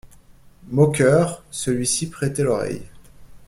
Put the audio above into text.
Moqueur, celui-ci prêtait l'oreille.